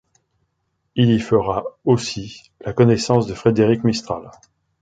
Il y fera aussi la connaissance de Frédéric Mistral.